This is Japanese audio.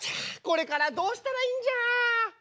これからどうしたらいいんじゃ。